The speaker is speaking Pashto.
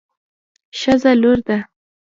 ښځه لور ده